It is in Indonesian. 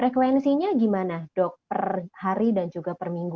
frekuensinya gimana dok per hari dan juga per minggu